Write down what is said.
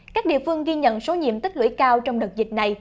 các địa phương ghi nhận số nhiệm tích lũy cao trong đợt dịch này